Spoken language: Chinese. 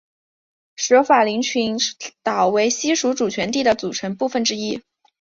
舍法林群岛为西属主权地的组成部分之一。